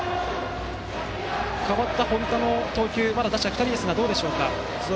代わった本田の投球まだ打者２人ですが、どうですか。